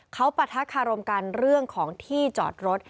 เขาปะทะคารมกันเรื่องของที่จอดรถ